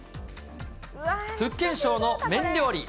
福建省の麺料理。